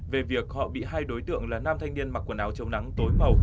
về việc họ bị hai đối tượng là nam thanh niên mặc quần áo chống nắng tối màu